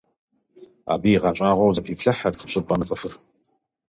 Абы игъэщӀагъуэу зэпиплъыхьырт щӀыпӏэ мыцӀыхур.